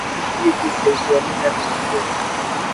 تی شِیٹیۡ شیطینیۡ نہ تھینڈیوۡ۔